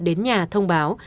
đến nhà thông báo